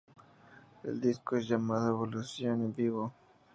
El disco es llamado "Evolución en vivo".